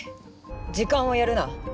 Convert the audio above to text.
時間をやるな。